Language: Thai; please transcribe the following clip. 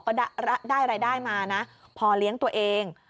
ก็ได้รายได้มานะพอเลี้ยงตัวเอง